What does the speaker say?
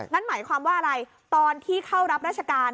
นั่นหมายความว่าอะไรตอนที่เข้ารับราชการ